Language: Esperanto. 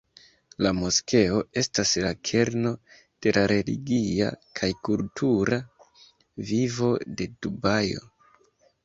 La moskeo estas la kerno de la religia kaj kultura vivo de Dubajo.